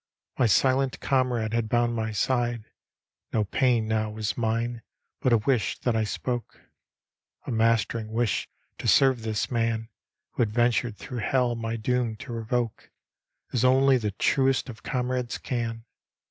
My silent comrade had bound my side. No pain now was mine, but a wish that I spoke, — A mastering wish to serve this man Who had ventured through hell my doom to revoke, As only the truest of comrades can.